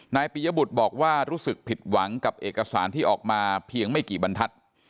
ปียบุตรบอกว่ารู้สึกผิดหวังกับเอกสารที่ออกมาเพียงไม่กี่บรรทัศน์